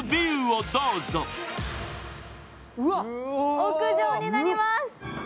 屋上になります！